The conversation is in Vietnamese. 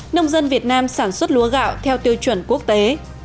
nông dân việt nam sản xuất lúa gạo theo tiêu chuẩn quốc tế